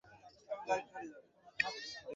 আমি মজা করছি।